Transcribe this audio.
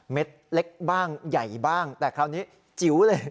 เล็กบ้างใหญ่บ้างแต่คราวนี้จิ๋วเลย